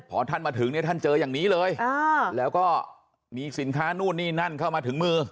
พอท่านมาถึงเนี่ยท่านเจออย่างนี้เลยแล้วก็มีสินค้านู่นนี่นั่นเข้ามาถึงมือ